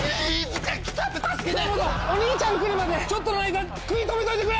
豊本お兄ちゃん来るまでちょっとの間食い止めといてくれ！